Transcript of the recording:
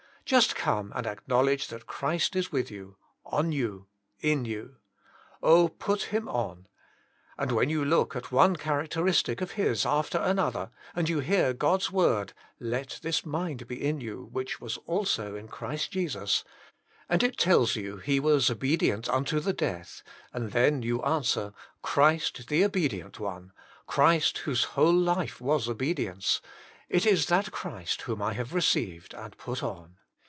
Just come and ac knowledge that Christ is with you, on you, in you. Oh, put Him on! And when 3"ou look at one characteristic of His after another; and yon hear God's word, <* Let this mind be in you which was also in Jesus Christ, " and it tells you He was obedient unto the death; and then you answer, Christ the obedi ent one, Christ whose whole life was obedience, it is that Christ whom I 48 JestLs Himself. have received and put on.